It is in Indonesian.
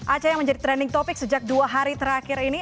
aceh yang menjadi trending topic sejak dua hari terakhir ini